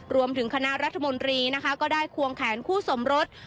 คณะรัฐมนตรีนะคะก็ได้ควงแขนคู่สมรส